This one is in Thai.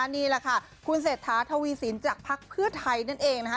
นี่แหละค่ะคุณเศรษฐาทวีสินจากภักดิ์เพื่อไทยนั่นเองนะคะ